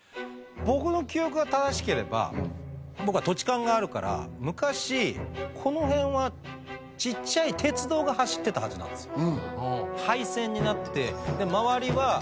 僕の記憶が正しければ僕は土地勘があるから昔この辺はちっちゃい鉄道が走ってたはずなんですよ。